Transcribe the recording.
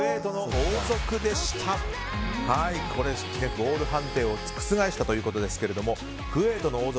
ゴール判定を覆したということですがクウェートの王族